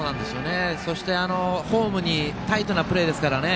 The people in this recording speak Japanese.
そして、ホームにタイトなプレーですからね